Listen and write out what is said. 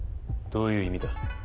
どういう意味だ？